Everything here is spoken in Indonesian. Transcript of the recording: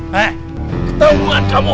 he ketahuan kamu